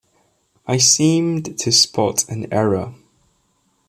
I seemed to spot an error.